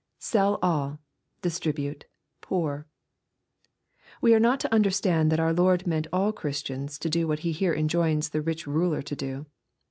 [SeM aU...distribuie..,poor.] We are not to understand that our Lord meant all Christians to do what he here enjoins the rich ruler to do.